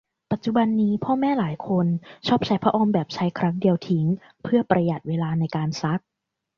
ปัจจุบันนี้พ่อแม่หลายคนชอบใช้ผ้าอ้อมแบบใช้ครั้งเดียวทิ้งเพือประหยัดเวลาในการซัก